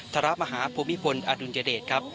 พระมหาภูมิพลอดุลยเดชครับ